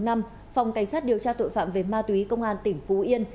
phòng cảnh sát điều tra tội phạm về ma túy công an tỉnh phú yên